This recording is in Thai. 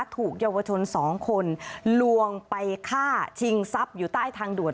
ถูกเยาวชน๒คนลวงไปฆ่าชิงทรัพย์อยู่ใต้ทางด่วน